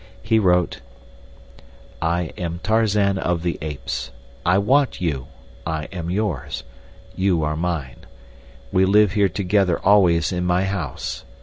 He wrote: I am Tarzan of the Apes. I want you. I am yours. You are mine. We live here together always in my house.